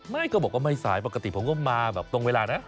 ก็บอกว่าไม่สายปกติผมก็มาแบบตรงเวลานะ